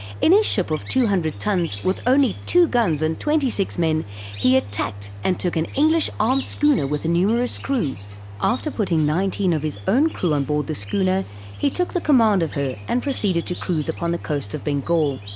In his ship of two hundred tons, with only two guns and twenty six men, he attacked and took an English armed schooner with a numerous crew. After putting nineteen of his own crew on board the schooner, he took the command of her and proceeded to cruise upon the coast of Bengal.